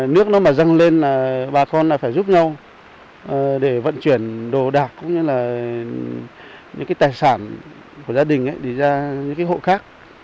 nước nó mà dâng lên là bà con là phải giúp nhau để vận chuyển đồ đạc cũng như là những cái tài sản của gia đình để ra những cái hộ khác